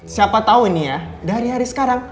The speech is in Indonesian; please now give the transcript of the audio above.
siapa tahu ini ya dari hari sekarang